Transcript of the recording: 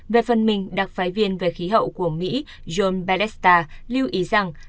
về phần mình đặc phái viên về khí hậu của mỹ john beldesta lưu ý rằng